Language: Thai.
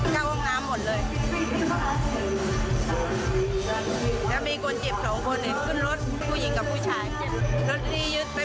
ยังได้ยินอยู่นะ